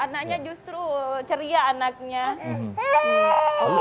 anaknya justru ceria anaknya